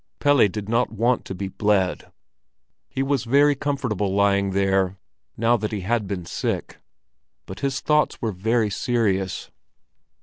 Pelle did not want to be bled; he was very comfortable lying there, now that he had been sick. But his thoughts were very serious.